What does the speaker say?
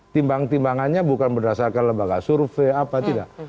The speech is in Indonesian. timbang timbangannya bukan berdasarkan lembaga survei apa tidak